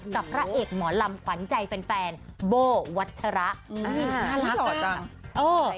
กับพระเอกหมอลำขวัญใจแฟนแฟนโบวัชระอื้ออื้อหรอจังเออ